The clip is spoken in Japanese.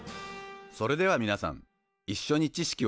それではみなさんいっしょに知識を深めましょう。